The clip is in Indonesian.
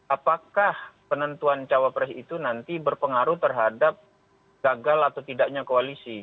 apakah penentuan cawapres itu nanti berpengaruh terhadap gagal atau tidaknya koalisi